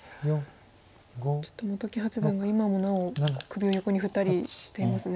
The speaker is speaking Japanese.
ちょっと本木八段が今もなお首を横に振ったりしていますね。